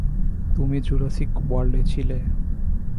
তুমি জুরাসিক ওয়ার্ল্ডে ছিলে।